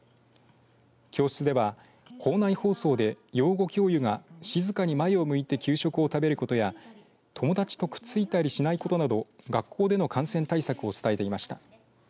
教室では、校内放送で養護教諭が静かに前を向いて給食を食べることや友達とくっついたりしないことなど学校での感染対策を伝えていました。